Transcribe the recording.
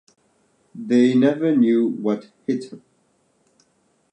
They Never Knew What Hit Em.